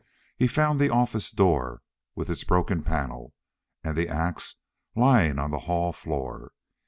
He found the office door with its broken panel, and the ax lying on the hall floor.